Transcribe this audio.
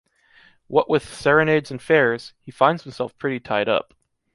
What with serenades and fairs, he finds himself pretty tied-up.